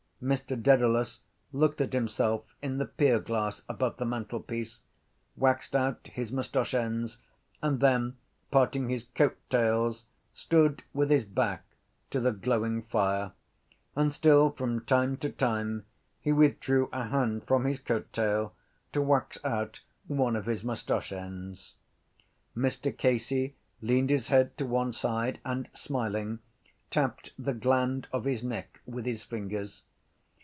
Mr Dedalus looked at himself in the pierglass above the mantelpiece, waxed out his moustache ends and then, parting his coat tails, stood with his back to the glowing fire: and still from time to time he withdrew a hand from his coat tail to wax out one of his moustache ends. Mr Casey leaned his head to one side and, smiling, tapped the gland of his neck with his fingers.